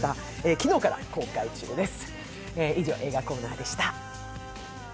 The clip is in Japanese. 昨日から公開中です。